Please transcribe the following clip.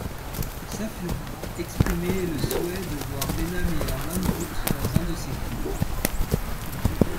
Safura exprimé le souhait de voir Lena Meyer-Landrut dans un de ses clips.